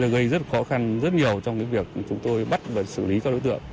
gây rất khó khăn rất nhiều trong việc chúng tôi bắt và xử lý các đối tượng